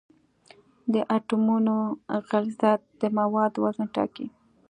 د اټومونو غلظت د موادو وزن ټاکي.